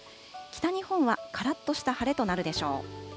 北日本はからっとした晴れとなるでしょう。